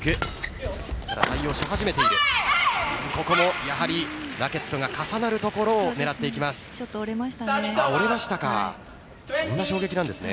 ここもやはりラケットが重なるところをちょっと折れましたね。